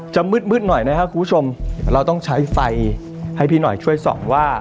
จะมืดมืดหน่อยนะครับคุณผู้ชมเราต้องใช้ไฟให้พี่หน่อยช่วยส่องว่า